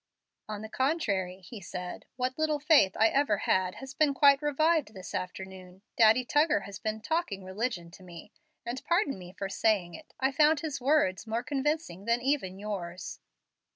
"On the contrary," he said, "what little faith I ever had has been quite revived this afternoon. Daddy Tuggar has been 'talking religion' to me, and, pardon me for saying it, I found his words more convincing than even yours."